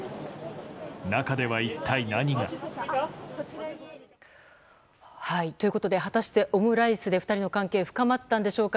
中では一体何が？ということで、果たしてオムライスで２人の関係は深まったのでしょうか。